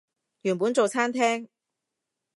原本做餐廳